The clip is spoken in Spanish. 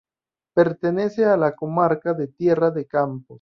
Pertenece a la comarca de Tierra de Campos.